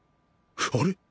あれ？